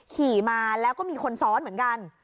ขี่มาแล้วก็มีคนซ้อนเหมือนกัน